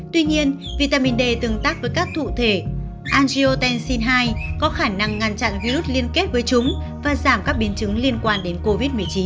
tuy nhiên vitamin d tương tác với các thủ thể angiotencin hai có khả năng ngăn chặn virus liên kết với chúng và giảm các biến chứng liên quan đến covid một mươi chín